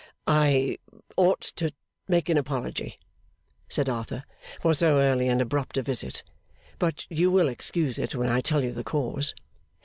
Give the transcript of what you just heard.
'I ought to make an apology,' said Arthur, 'for so early and abrupt a visit; but you will excuse it when I tell you the cause.